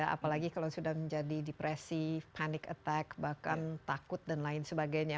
apalagi kalau sudah menjadi depresi panic attack bahkan takut dan lain sebagainya